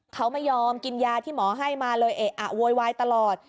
เขาไม่ยอมกินยาที่หมอให้มาเลยเอะอะโวยวายตลอด